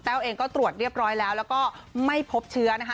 แต้วเองก็ตรวจเรียบร้อยแล้วไม่พบเชื้อนะคะ